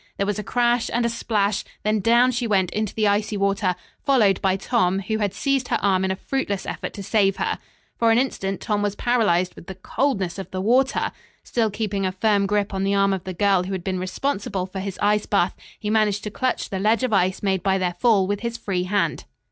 There was a crash and a splash, then down she went into the icy water, followed by Tom, who had seized her arm in a fruitless effort to save her. For an instant Tom was paralyzed with the coldness of the water. Still, keeping a firm grip on the arm of the girl who had been responsible for his ice bath, he managed to clutch the ledge of ice made by their fall with his free hand.